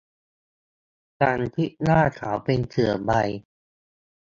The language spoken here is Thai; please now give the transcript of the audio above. ฉันคิดว่าเขาเป็นเสือใบ